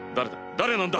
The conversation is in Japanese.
誰なんだ